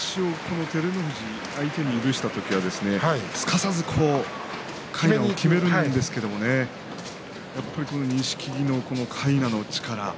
もろ差しを照ノ富士、相手に許した時はすかさずかいなをきめるんですけどねやはり錦木のかいな力。